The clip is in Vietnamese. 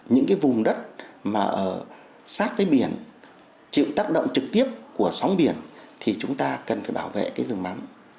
những cái vùng đất mà sát với biển chịu tác động trực tiếp của sóng biển thì chúng ta cần phải bảo vệ cái rừng mắm